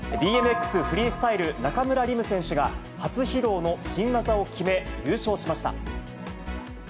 フリースタイル、中村輪夢選手が、初披露の新技を決め、優勝しました。